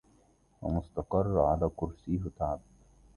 ومستقر على كرسيه تعب